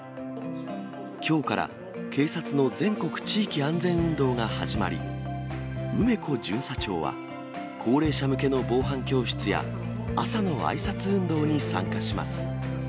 きょうから警察の全国地域安全運動が始まり、梅子巡査長は、高齢者向けの防犯教室や朝のあいさつ運動に参加します。